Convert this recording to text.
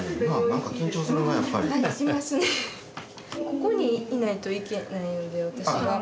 ここにいないといけないので私が。